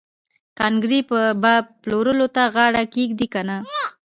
کارنګي به پلورلو ته غاړه کېږدي که نه